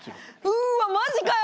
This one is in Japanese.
うわマジかよ。